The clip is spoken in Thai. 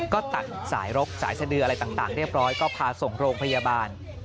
ก็ตัดสายรกสายสดืออะไรต่างเรียบร้อยก็พาส่งโรงพยาบาล